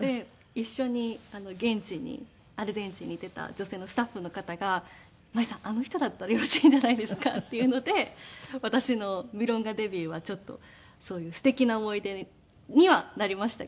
一緒に現地にアルゼンチンに行っていた女性のスタッフの方が「舞さんあの人だったらよろしいんじゃないんですか？」っていうので私のミロンガデビューはちょっとそういうすてきな思い出にはなりましたけど。